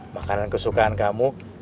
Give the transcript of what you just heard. makanan kesukaan kamu